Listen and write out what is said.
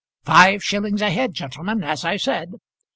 "Five shillings a head, gentlemen, as I said.